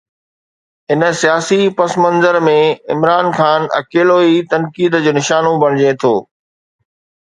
ان سياسي پسمنظر ۾ عمران خان اڪيلو ئي تنقيد جو نشانو بڻجي ٿو.